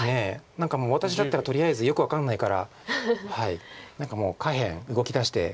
何かもう私だったらとりあえずよく分かんないから何かもう下辺動き出して。